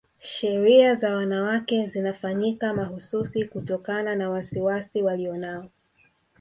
Sherehe za wanawake zinafanyika mahususi kutokana na wasiwasi walionao